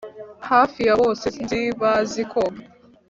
Hafi ya bose nzi bazi koga